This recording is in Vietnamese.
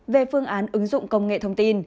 về phương án ứng dụng công nghệ thông tin